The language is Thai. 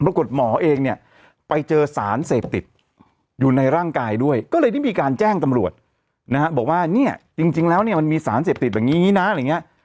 หมอเองเนี่ยไปเจอสารเสพติดอยู่ในร่างกายด้วยก็เลยได้มีการแจ้งตำรวจนะฮะบอกว่าเนี่ยจริงแล้วเนี่ยมันมีสารเสพติดแบบนี้นะอะไรอย่างเงี้ย